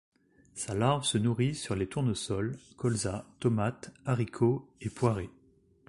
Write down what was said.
Sa larve se nourrit sur les tournesols, colzas, tomates, haricots et poirées.